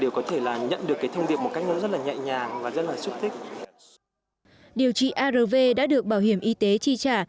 điều trị arv đã được bảo hiểm y tế chi trả